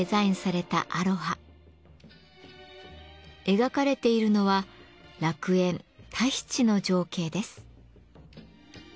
描かれているのは楽園・タヒチの情景です。